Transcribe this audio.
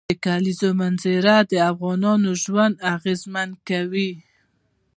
د کلیزو منظره د افغانانو ژوند اغېزمن کوي.